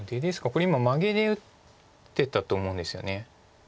これ今マゲで打てたと思うんですよね。